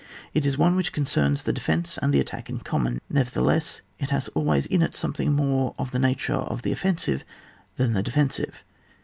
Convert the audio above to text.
It is one which concerns the de fence and the attack in common ; never* theless it has always in it something more of the nature of the offensive than the defensive.